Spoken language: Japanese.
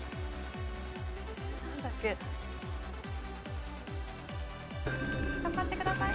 なんだっけ？頑張ってください。